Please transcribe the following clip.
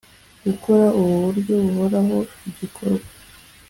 gukora ku buryo buhoraho igikorwa